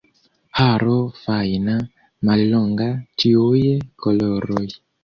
Haro fajna, mallonga, ĉiuj koloroj.